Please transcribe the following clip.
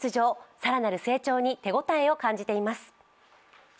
更なる成長に手応えを感じています。